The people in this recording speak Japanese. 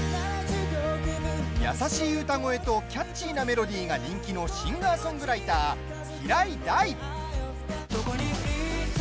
優しい歌声とキャッチーなメロディーが人気のシンガーソングライター、平井大。